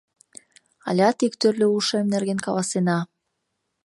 Алят ик тӱрлӧ ушем нерген каласена.